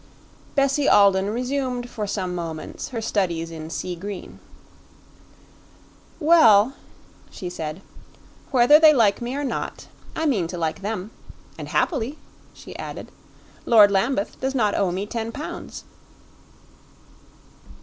Bessie Alden resumed for some moments her studies in sea green. "Well," she said, "whether they like me or not, I mean to like them. And happily," she added, "Lord Lambeth does not owe me ten pounds."